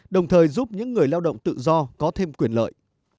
đồng thời giúp những người lao động tự do có thêm quyền lợi